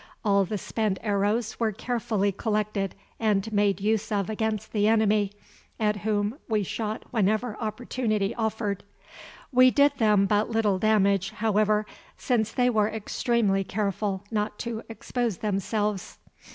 All the spent arrows were carefully collected and made use of against the enemy, at whom we shot whenever opportunity offered. We did them but little damage, however, since they were extremely careful not to expose themselves.